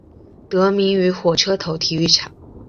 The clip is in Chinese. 得名于火车头体育场。